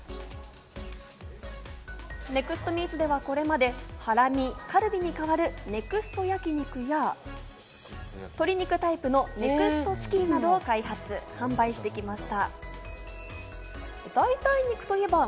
ネクストミーツではこれまで、ハラミ、カルビに代わるネクスト焼肉や、鶏肉タイプのＮＥＸＴチキンなどを開発販売してきました。